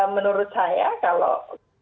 menurut saya kalau